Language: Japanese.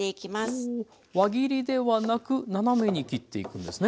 輪切りではなく斜めに切っていくんですね？